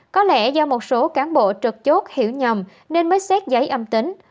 có lẽ do một số cán bộ trực chốt hiểu nhầm nên mới xét giấy âm tính